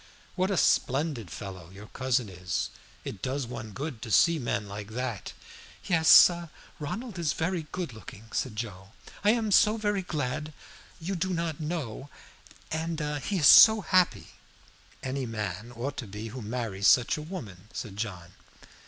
What a splendid fellow your cousin is. It does one good to see men like that." "Yes, Ronald is very good looking," said Joe. "I am so very glad, you do not know; and he is so happy." "Any man ought to be who marries such a woman," said John.